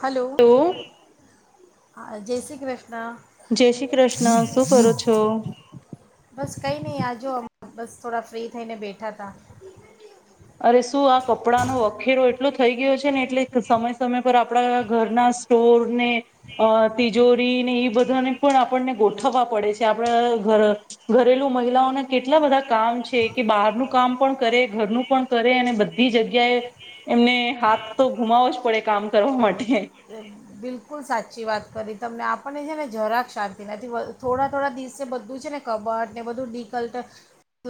Hello તો હા જય શ્રી કૃષ્ણ જય શ્રી કૃષ્ણ ન શું કરો છો? બસ કંઇ નહીં આ જો બસ થોડા ફ્રી થઈને બેઠાતા અરે શું આ કપડાંનો વખેરો એટલો થઈ ગયો છે ને એટલે સમય સમય પર આપણા ઘરના સ્ટોરને અ તિજોરીને એ બધાને પણ આપણને ગોઠવવા પડે છે. આપણા ઘ ઘરેલું મહિલાઓને કેટલા બધા કામ છે કે બહારનું કામ પણ કરે ઘરનું પણ કરે અને બધી જગ્યાએ એમને હાથ તો ગુમાવો જ પડે કામ કરવા માટે બિલકુલ સાચી વાત કરી તમને આપણને છે ને જરાક શાંતિ નથી. થોડા થોડા દિવસે બધું છે ને કબટ ને બધું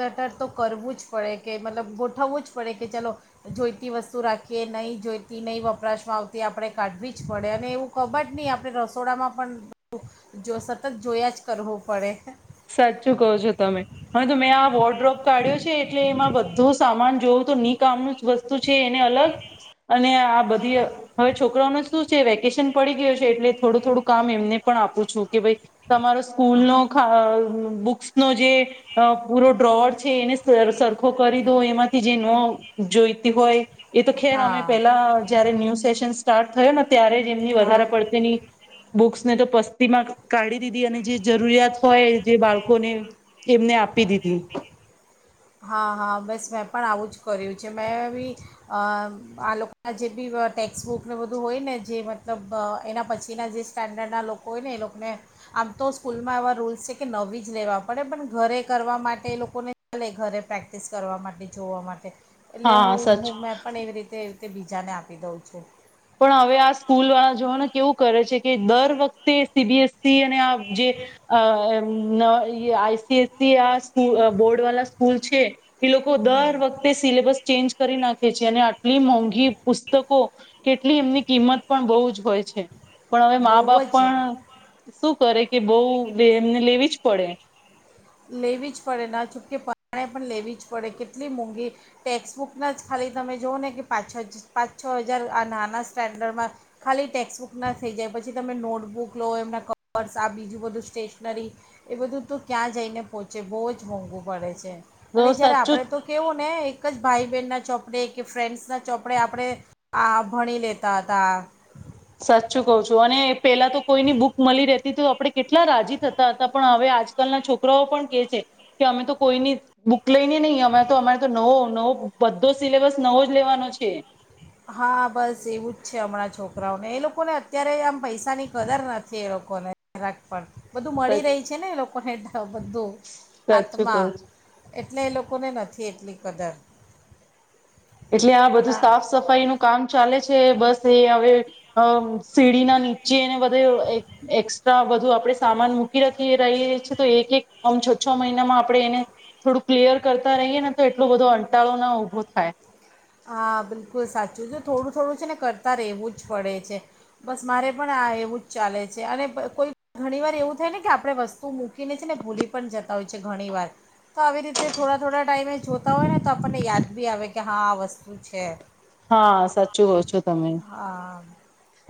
[unintelligible] તો કરવું જ પડે. કે મતલબ ગોઠવવું જ પડે કે ચલો જોઈતી વસ્તુ રાખીએ નહીં જોઈતી નહીં વપરાશમાં આવતી આપણે કાઢવી જ પડે અને એવું કબટ નહીં આપણે રસોડામાં પણ જો સતત જોયા જ કરવું પડે. સાચું કહો છો તમે હવે તો મેં આ વોટડ્રોપ કાઢ્યો છે એટલે એમાં બધો સામાન જોઉં તો ની કામનું જ વસ્તુ છે એને અલગ અને આ બધી હવે છોકરાઓને શું છે વેકેશન પડી ગયું છે એટલે થોડું થોડું કામ એમને પણ આપું છું કે ભાઈ તમારો હા સ્કૂલનો ખા બુક્સનો જે અ પૂરો ડ્રોવર છે એને સરખો કરી દો એમાંથી જે ન જોઈતી હોય એ તો ખેર અમે હા પેલા જયારે ન્યૂ સેશન સ્ટાર્ટ થયો ને ત્યારે જ એમની હા વધારે પડતીની બુક્સને તો પસ્તીમાં કાઢી દીધી અને જે જરૂરિયાત હોય જે બાળકોને એમને આપી દીધી. હા હા બસ મેં પણ આવું જ કર્યું છે. મેં બી આ લોકોના જે બી ટેક્સ્ટબુકને બધું હોય ને જે મતલબ એના પછીના જે સ્ટાન્ડર્ડના લોકો હોય ને એ લોકોને આમ તો સ્કૂલમાં એવા રૂલ્સ છે કે નવી જ લેવા પડે પણ ઘરે કરવા માટે એ લોકોને ઘરે પ્રેક્ટિસ કરવા માટે, જોવા માટે એટલે હા સાચું હું મેં પણ એવી રીતે તે બીજાને આપી દઉં છું. પણ હવે આ સ્કૂલવાળા જોવોને કેવું કરે છે કે દર વખત તે સીબીએસસી અને આ જે અ આઈસીએસસી આ સ્કુલ અ બોર્ડવાલા સ્કૂલ છે એ લોકો હમ દર વખતે સિલેબસ ચેન્જ કરી નાખે છે. અને આટલી મોંઘી પુસ્તકો કેટલી એમની કિંમત પણ બહુ જ હોય છે. પણ હવે મા બહુ બાપ જ પણ અહ શું કરે કે બહુ વેમને લેવી જ પડે. લેવી જ પડે ના છૂટકે પરાણે પણ લેવી જ પડે. કેટલી મોંઘી ટેક્સ્ટબુકના જ ખાલી તમે જોઓ ને કે પાંચ છજ પાંચ છો હજાર આ નાના સ્ટાન્ડર્ડમાં ખાલી ટેક્સ્ટબુકના થઈ જાય. પછી તમે નોટબુક લો એમના કપર્સ આ બીજું બધું સ્ટેશનરી એ બધું તો ક્યાં જઈને પહોંચે બહુ જ મોંઘું પડે છે. તો અને જયારે સાચું જ આપણે તો કેવો ને એક જ ભાઈ બહેન ના ચોપડે કે ફ્રેન્ડ્સ ના ચોપડે આપણે આ ભણી લેતા હતા. સાચું કઉ છું અને પેલા તો કોઈની બુક મલી રેહ તી તો આપણે કેટલા રાજી થતા હતા પણ હવે આજકાલના છોકરાઓ પણ કે છે કે અમે તો કોઈની બુક લઈને નહી અમેં તો અમારે તો નવો નવો બધે સિલેબસ નવો જ લેવાનો છે. હા, બસ એવું જ છે હમણાં છોકરાઓને. એ લોકોને અત્યારે આમ પૈસા ની કદર નથી એ લોકોને જરાક પણ. બધું મળી રહી સાચું છે ને એ લોક કહેદ. તો બધું કઉ છું. હાથમાં. એટલે એ લોકોને નથી એટલી કદર. એટલે આ બધું સાફ સફાઈ નું કામ ચાલે છે બસ એ હવે અહ સીડી ના નીચેને બ ધે એક એકશ તો આ બધું આપડણે સામાન મૂકી રાખીએ રહીએ છીએ તો એક એક આમ છો છો મહિનામાં આપણે એને થોડું ક્લિયર કરતા રહીએ ને તો એટલો બધો અંટાળો ના ઉભો થાય. જો જો થોડું થોડું છે ને કરતા રહેવું જ પડે છે. બસ મારે પણ આ એવું જ ચાલે છે અને પ કોઈ ઘણી વાર એવું થાય ને કે આપણે વસ્તુ મૂ કીને છે ને ભૂલી પણ જ તા હોય છે ઘણી વાર. તો આવી રીતે થોડા થોડા ટાઈમે જોતા હોય ને તો આપણને યાદ બી આવે કે હા આ વસ તું છે. હા, સાચું કહું છું. તમે. હા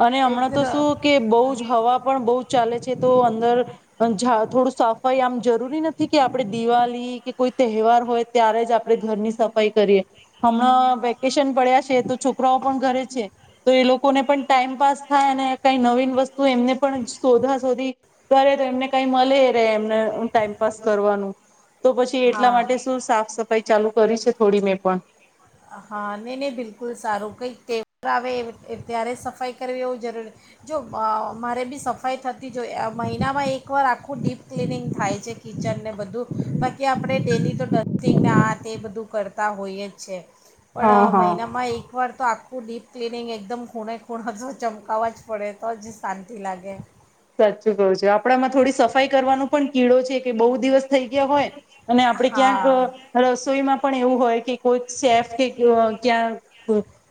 અને એક હમણાં તો તરફ શું કે બહુજ હવા પણ બહુ ચાલે છે તો અંદર અહ ઝા થોડું સફાઈ આમ જરૂરી નથી કે આપડે દિવાલી કે કોઈ તહેવાર હોય ત્યારે જ આપણે ઘરની સફાઈ કરીએ. હમણાં વેકેશન પડ્યાજ છે તો છોકરાઓ પણ ઘરે છે તો એ લોકોને પણ ટાઈમપાસ થાય અને કઈ નવીન વસ્તુ એમને પણ શોધા શોધી કરે તો એમને કઈ મલે રે એમને અહ ટાઈમપાસ કરવાનું. તો પછી એટલા હા માટે શું સાફ સફાઈ ચાલુ કરી છે થોડી મેં પણ. હા. નહી નહી બિલકુલ સારું કંઈકતેવાર આવે ત્યારે સફાઈ કરવી એવું જરૂરી જો અહ મારે બી સફાઈ થતી જો અહ મહિનામાં એકવાર આખું ડીપ ક્લીનિંગ થાય છે કિચન ને બધું બાકી આપણે ડેલી તો ડટિંગ આ તે બધું કરતા હોય જ છે. પણ હા અહ હા મહિનામાં એક વાર તો આખ ખું ડીપ ક્લિનિંગ એકદમ ખૂણે ખૂણા જો ચમકાાવવા જ પડે તો જી શાંતિ લાગે. સાચું કહું છે. આપડામાં થોડી સફાઈ કરવાનો પણ કીડો છે કે બહુ દિવસ થઈ ગયા હોય અને આપડે ક્યાંક અહ હા રસોઈમાં પણ એવું હોય કે કો સેફ કે ક્યાં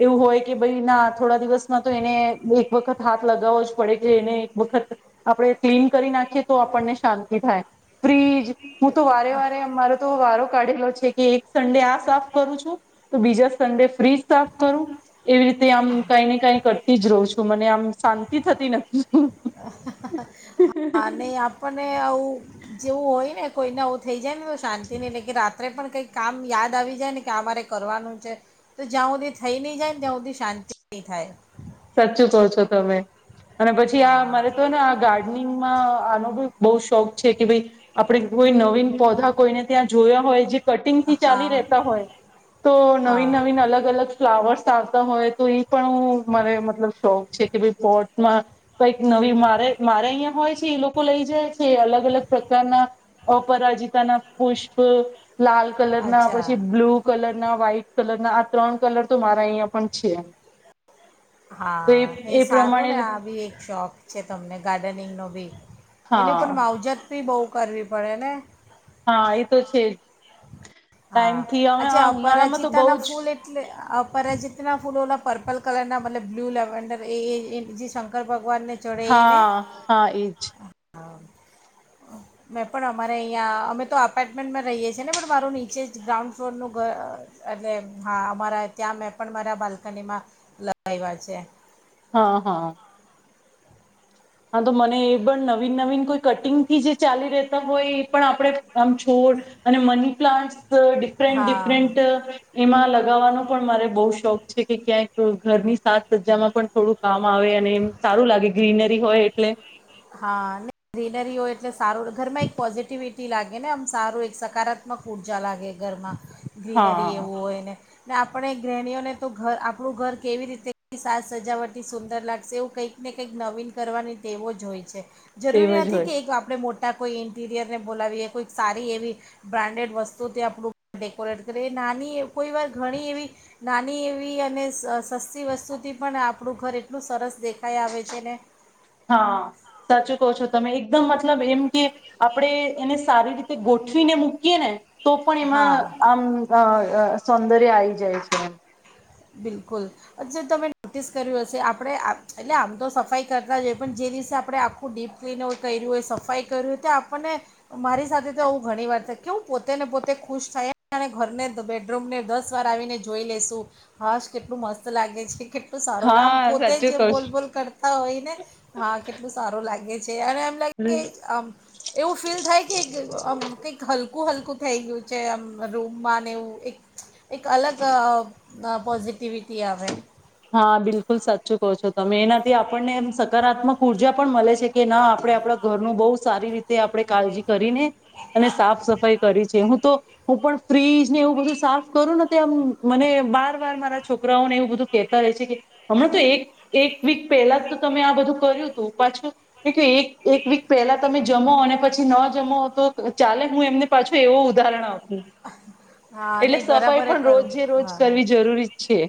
એવું હોય કે ભાઈ ના થોડા દિવસમાં તો એને એક વખત હાથ લગાવવો જ પડે, કે એને એક વખત આપડે ક્લીન કરી નાખીએ તો આપણને શાંતિ થાય ફ્રીજ હું તો વારે વારે અમારો તો વારો પડેલો છે, કે એક સન્ડે આ સાફ કરું છું, તો બીજા સન્ડે ફ્રીજ સાફ કરું, એવી રીતે આમ કઈ ને કઈ કરતી જ રહું છું મને આમ શાંતિ થતી નથી. હા, નઈ આપને આવું જેવું હોય ને કોઈને આવવું થઈ જાય ને તો શાંતિ નહી લે, કે રાત્રે પણ કંઈ કામ યાદ આવી જાય ને કે અમારે કરવાનું છે, તો જ્યાં હુંધી થઈ ની જાય ને ત્યાં સુધી શાંતિ ની થાય. સાચું કહો છો, તમે અને પછી આ હા મારે તો ને આ ગાર્ડનિંગમાં આનો બી બઉ શોખ છે, કે ભાઈ આપડે કોઈ નવીન પધા કોઈને ત્યાં જોયા હોય જે કટિંગથી હા ચાલી રહેતા હોય, તો હા નવીન નવીન અલગ અલગ ફ્લાવર્સ. ચાલતા હોય તો ઈ પણ હું મને મતલબ શોખ છે કે ભાઈ પોટમાં કઈક નવી, મારે મારે અહીં હોય છે એ લોકો લઈ જાય છે અલગ અલગ પ્રકારના અપરાજતા ના પુષ્પ લાલ કલર ના અચ્છા પછી બ્લુ કલર ના વ્હાઈટ કલર ના, આ ત્રણ કલર તો મારા અહિયાં પણ છે. હા, એ સારું ને આ બી એક શોખ છે તમને, ગાર્ડનિંગ નો બી. એની હા પણ માવજત બી બોવ કરવી પડે ને હા, એતો છેજ હા, અ્છા તો અપરાજીિતા બહુ ના જ ફૂલ એટલે પર જતના ફૂલ ઓલા પર્પલ કલર ના મતલબ બ્લુ લેવન્ડર એ શંકર ભગ હા, હા, એજ. મેં પણ અમારે અહિયાં, અમે તો અપાર્ટમેન્ટમાં રહીએ છીએ ને પણ મારું નીચે જેે જ ગ્રાઉન્ડ ફ્લોરનું ઘર એટલે, હા અમારા ત્યાં મેં પણ મારા બાલ્કનીમાં લગાવ્યા છે. હા, હા. હા, તો મને એ પણ નવીન નવીન કોઈ કટિંગથી જે ચાલી રહેતા હોય, એ પણ આપણે આમ છોડ અને મની પ્લાન્ટ ડિફરનેટ હા ડિફેરેન્ટ અહ એમા લગવાનો પણ મારે બો શોખ છે, કે ક્યાંક ઘરની સાત સજામાં પણ થોડું કામ આવે અને એ સારું લાગે ગ્રીનરી હોય એટલે. હા, ગ્રીનરી હોય એટલે સારું ઘરમાં એક પોઝિટિવિટી લાગે ને આમ સારું એક સકારાત્મક ઉર્જા લાગે. ઘરમાં ગ્રીનરી હા એવું હોય ને ને આપડે ગ્રેહણીઓને તો ઘર આપણું ઘર કેવી રીતે સાજ સજાવટટી સુંદર લાગશે, એવું કંઈક ને કંઈક નવીન કરવાની તેટેવો જ જોઈ છે. તેવ જરૂરી જ નથી હોય કે એક આપડે મોટ કોઈ ઇન્ટિરિયરને બોલાવીએ કોઈક સારી એવી બ્રાન્ડેડ વસ્તુથી આપણું ડેકોરેટ કરીએ નાની કોઈ વાર ઘણી એવી નાની એવી અને સસ્તી વસ્તુથી તે પણ આપણું ઘર એટલું સરસ દેખાઈ આવે છે ને. હા સાચું કહો છો તમે એકદમ મતલબ એમ કે આપણેે એને સારી રીતે ગોઠવીને મૂકીએ ને. તો પણ એમાં હા આમ અ અ સૌંદર્ય આયી જાય છે. બિલકુલ જે તમે નોટિસ કર્યું હશે આપણે એટલે આમ તો સફાઈ કરતા જઈએ પણ જે દિવસે આપણે આખું ડીપ ક્લીનર કર્યું હોય સફાઈ કર્યું હોય તો આપણને મારી સાથે તો આવું ઘણી વાર થય કે હું પોતેને પોતે ખુશ થાય અને ઘરને બેડરૂમને દસ વાર આવીને જોઈ લેશું. હાશ કેટલું મસ્ત લાગે છે કે. તો સારો આમ હા પોતે સાચું જ કઉ બોલબોલ કરતા હોય ને હા કેટલું સારું લાગે છે અને એમ લાગે છું. કે આમ એવું ફીલ થાય કે એક આમ કંઈક હલકું હલ હું થઈ ગયું છે આમ રૂમમાં એવું એક એક અલગ અ અ પોઝિટિવિટી આવે. હા બિલકુલ સાચું કહો છો તમે એનાથી આપણનેમ સકારાત્મક ઉર્જા પણ મળે છે કે ના આપણે આપણા ઘરનું બહુ સારી રીતે આપણે કાળજી કરીને, અને સાફ સફાઈ કરી છે હું તો હું પણ ફ્રીજ ને એવું બધું સાફ કરું ને તે આમ મને બાર બાર મારા છોક કરાઓને એવું બધું કેતા ર છે કે, હમણાં તો એક એક વીક પહેલા તો તમે આ બધું કર્યું હતું પાછું, મે ક્યું એક વીક પહેલા તમે જમો અને પછી ન જમો તો ચાલે હું એમને પાછું એવું ઉદાહરણ આપૂ. હા એટલે નહીં સફાઈ બરાબર પણ કરું રોજે રોજ હા કરવી જરૂરી ચ છે.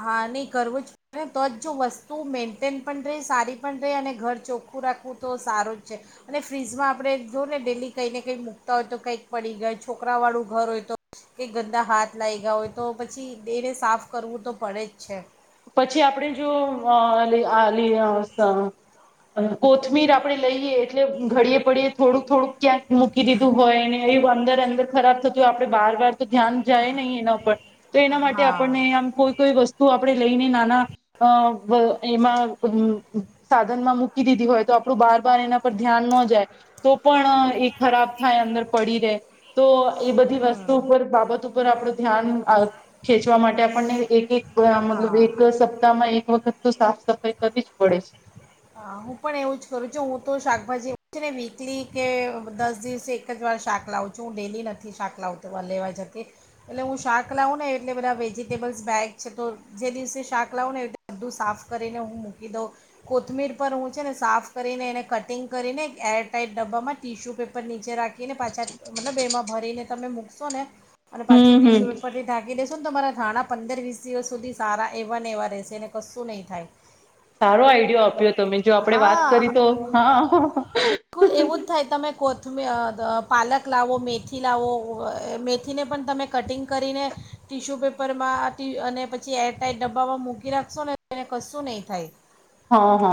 હા નહીં કરવું જ પડે તો જ જો વસ્તુ મેન્ટેન પણ રહે સારી પણ રહે અને ઘર ચોખ્ખું રાખવું તો સારું જ છે, અને ફ્રીજમાં આપણે જો ને ડેલી કંઈ ને કંઈ મૂકતા હોય તો કંઈક પડી ગય છોકરાવાળું ઘર હોય તો કે ગંદા હાથ લાયગા હોય તો પછી દેને સાફ કરવું તો પડે જ છે. પછી આપડણે જો વ આ લી અ સ કોથમીર આપણેે લઈએ એટલે ઘડીએ પડીએ થોડુંક થોડુંક ક્યાંક મૂકી દીધું હોયને એવું અંદર અંદર ખરાબ થતું હોય આપડણે બાર બર ધ્યાન જાય નહી એના ઉપ તો એના માટે હા આપણને આમ કોઈ કોઈ વસ્તુ આપણે લઈને નાના અ બ એમાં સાધનમાં મૂકી દીધી હોય તો આપણું બાર બાર એના પર ધ્યાન ન જાય. તો પણ એ ખરાબ થાય અંદર પડી રે. તો એ બધી હમ વસ્તુ ઉપર બાબતો ઉપર આપડું ધ્યાન અ ખેચવા માટે આપણને એક એક બ આમ હા એક સપ્તાહમાં એક. એક વખત તો સાફ સફાઈ કરવી જ પડે છે. હા હું પણ એવું જ કરું છું હું તો શાકભાજી ને વીકલી કે દસ દિવસે એક જ વાર શાક લાવું છું હું ડેલી નથી શાક લાવ લેવા જતી એટલે હું શાક લાવું ને એટલે બધા વેજીિટેબલ્સ બેગ છે તો જે દિવસે શાક લાવું ને એ બધું સાફ કરીને હું મૂકી દઉં. કોથમીર પર હું છે ને સાફ કરીને એને કટિંગ કરીને એર ટાઈટ ડબ્બામાં ટીશ્યુ પેપર નીચે રાખી કીને પાછા મતલબ બેમાં ભરીને તમે મૂક. સોને અને પાછું હમ હમ ટિસ્યુ પેપર થીઢાંકી દેસ શું તમારા ધાણાં પંદર વીસ દિવસ સુધી સારા એવાને એવા રહેશે અનેને કશું નહીં થાય. સારો આઈડિયો આપ્યો તમે જો આપણેે વાત કરી હા તો હા. થમી અ [unintelligible] પાલક લાવો, મેથી લાવો, મેથીને પણ તમે કટિંગ કરીને ટિશ્યુ પેપરમાં ટી અને પછી એર ટાઈટ ડબ્બામાં મૂકી રાખશો ને એને કશું નહીં થાય. હા હા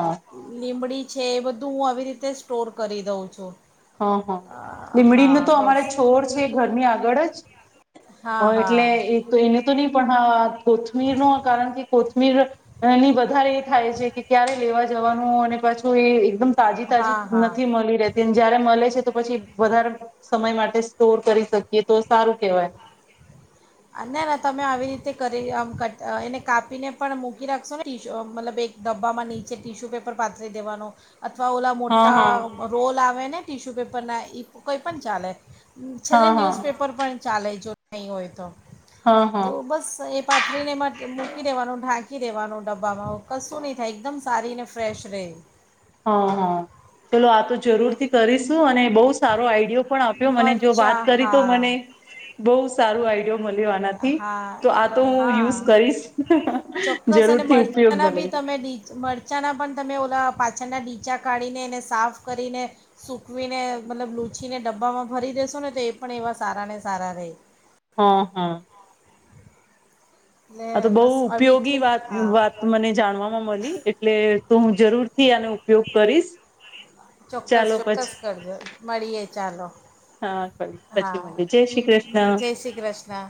લીમડી છે એ બધું હું આવી રીતે સ્ટોર કરી દઉં છું. હા હા, અ, લીમડીનું હા તો બસ અમારે છોર છે ઘરની આગળ જ હ હા એટલે હા એ તો એને ત પણ હ કોથમીર ન કારણ કે કોથ કમીર ની વધારે એ થાય છે કે ક્યારે લેવા જવાનું અને પાછું એ એકદમ તાજી તાજી હા હા નથી મળી રહેતી મળ છે તો પછી વધારે સમય માટે સ્ટોર કરી શકીએ તો સારું કેહેવાય. ના ના તમે આવી રીતે કરી આમ કટ એને કાપીને પણ મૂકી રાખશો ને ટ મતલબ એક ડબ્બામાં નીચે ટીશ્યુ પેપર પાથરી દેવાનું. અથવા ઓલા હા મોટા હા રોલ આવે ને. ટીશ્યુ પેપરના કોઈ પણ ચાલે. છેલ્લે હા હા ન્યૂઝપેપર પણ ચાલે જો નય હોય તો. હા તો હા બસ એ પાથરીને મૂકી દેવાનું ઢાંકી દેવાનું ડબ્બામાં કશું ની થાય એકદમ સારી ને ફ્રેશ રેય. હા હા. ચલો આ તો જરૂર થી કરીશું અને બોઉ સારો આઈડિયો પણ આપ્યો મને જો વાત મરચાં કરી તો હા મને, બોઉ સારું આઈડિયો મળ્યો. આનાથી હા, તો આ તો હું હા યુઝ કરીશ ચોક્કસ અને જરૂરથી મરચાંના ઉપયોગમાં બી લઈશ તમે મરચાંના પણ તમે ઓલા પા પાછળના ડીચા કાઢીને એને સાફ કરીને, સૂકવીને મતલબ લૂછીને ડબ્બામાં ભરી દેેશોને તો એ પણ એવા સારાને સારા રેય. હ હ. એટલે આ તો બોઉ બસ આ ઉપયોગી વીકલી વાત હા વાત મને જાણવામાં મળી એટલે તો હું જરૂર થી આનો ઉપયોગ કરીશ, ચોક્કસ ચાલો ચોક્કસ પછી કરજો મળીએ ચાલો હા હા પછી જય શ્રી કૃષ્ણ. જય શ્રી કૃષ્ણ